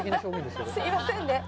すみませんね。